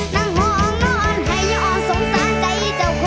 นั่งห่องนอนหายออนสงสารใจเจ้าควร